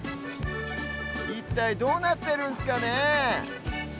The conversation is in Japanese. いったいどうなってるんすかね。